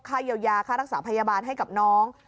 ค่ายาวยางค่าถักสรรพยาบาลให้กับน้อง